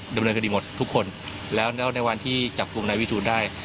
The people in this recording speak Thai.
ดำเนินคดีหมดทุกคนแล้วแล้วในวันที่จับกลุ่มนายวิทูลได้